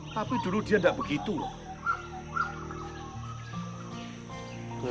tapi dulu dia tidak begitu loh